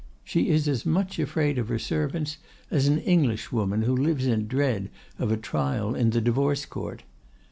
She is as much afraid of her servants as an Englishwoman who lives in dread of a trial in the divorce court.